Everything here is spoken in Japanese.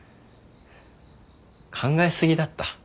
考え過ぎだった。